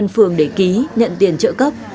ông phương để ký nhận tiền trợ cấp